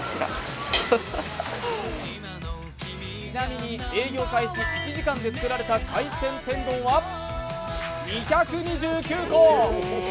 ちなみに営業開始１時間で作られた海鮮天丼は２２９個。